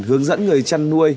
hướng dẫn người chăn nuôi